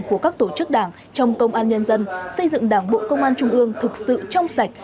của các tổ chức đảng trong công an nhân dân xây dựng đảng bộ công an trung ương thực sự trong sạch